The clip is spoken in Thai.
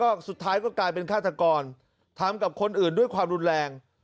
ก็สุดท้ายก็กลายเป็นฆาตกรทำกับคนอื่นด้วยความรุนแรง